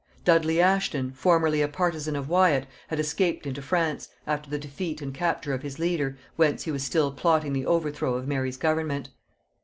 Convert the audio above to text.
Dudley Ashton, formerly a partisan of Wyat, had escaped into France, after the defeat and capture of his leader, whence he was still plotting the overthrow of Mary's government.